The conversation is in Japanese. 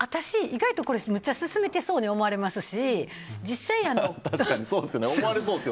私、意外とむっちゃ勧めてそうに思われますし。